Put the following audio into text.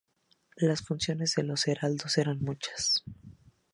Las funciones de los heraldos eran muchas.